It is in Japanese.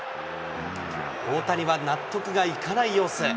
大谷は納得がいかない様子。